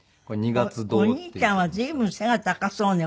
お兄ちゃんは随分背が高そうね